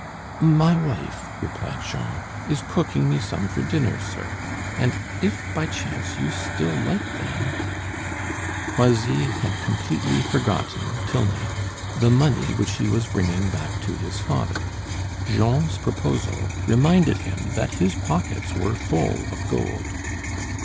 "My wife," replied Jean, "is cooking me some for dinner, sir, and if by chance you still liked them " Croisilles had completely forgotten till now the money which he was bringing back to his father. Jean's proposal reminded him that his pockets were full of gold.